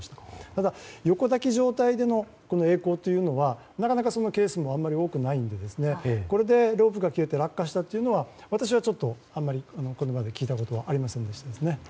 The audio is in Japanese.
ただ、横抱き状態でのえい航というのはなかなかそのケースもあまり多くないのでこれでロープが切れて落下したというのは私はあまりこれまで聞いたことはありませんでした。